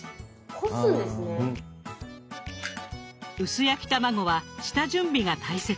薄焼き卵は下準備が大切。